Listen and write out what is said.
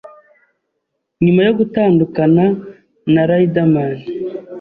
nyuma yo gutandukana na Riderman